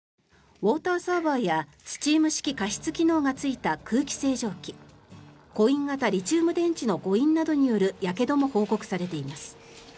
ウォーターサーバーやスチーム式加湿機能がついた空気清浄機コイン型リチウム電池の誤飲などによるやけども報告されています。